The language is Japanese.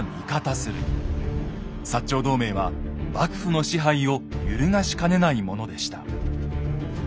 長同盟は幕府の支配を揺るがしかねないものでした。